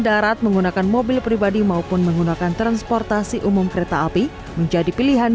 darat menggunakan mobil pribadi maupun menggunakan transportasi umum kereta api menjadi pilihan